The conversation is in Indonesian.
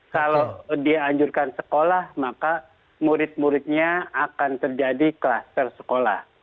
kalau dianjurkan sekolah maka murid muridnya akan terjadi kluster sekolah